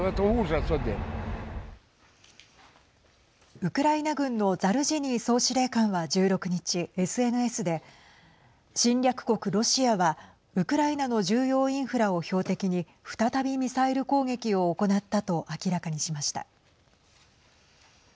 ウクライナ軍のザルジニー総司令官は１６日ＳＮＳで、侵略国ロシアはウクライナの重要インフラを標的に再びミサイル攻撃を行ったと明らかにしました。